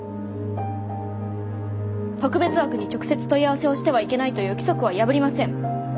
特別枠に直接問い合わせをしてはいけないという規則は破りません。